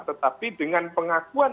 tetapi dengan pengakuan